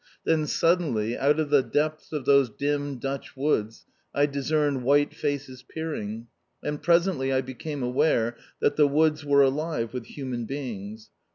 Then, suddenly, out of the depths of those dim Dutch woods, I discerned white faces peering, and presently I became aware that the woods were alive with human beings.